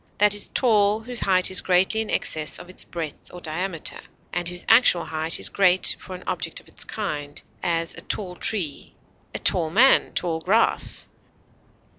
That is tall whose height is greatly in excess of its breadth or diameter, and whose actual height is great for an object of its kind; as, a tall tree; a tall man; tall grass.